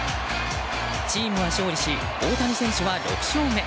チームは勝利し大谷選手は６勝目。